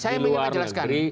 saya ingin menjelaskan